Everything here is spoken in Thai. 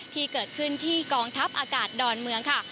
ที่เกิดขึ้นที่กองทัพอากาศดอนเมืองค่ะ